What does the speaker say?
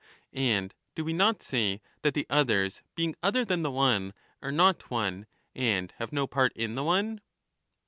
wo"^"* And do we not say that the others being other than the one are not one and have no part in the one